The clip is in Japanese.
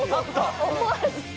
思わず。